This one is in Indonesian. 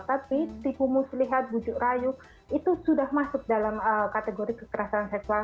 tapi tipu muslihat bujuk rayu itu sudah masuk dalam kategori kekerasan seksual